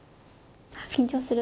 緊張する。